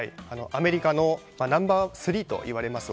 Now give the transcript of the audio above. アメリカのナンバー３といわれます